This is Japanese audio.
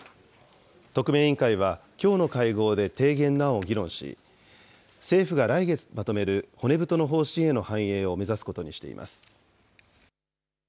特命委員会は、きょうの会合で提言の案を議論し、政府が来月まとめる骨太の方針への反映を目指すことにしています。